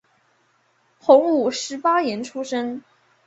洪武十八年出生。